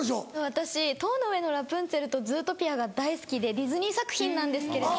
私『塔の上のラプンツェル』と『ズートピア』が大好きでディズニー作品なんですけれども。